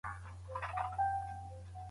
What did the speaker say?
تودې جامې د يخ پر مهال اړينې دي